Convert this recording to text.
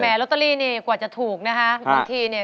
แหมล็อตเตอรี่กว่าจะถูกนะครับ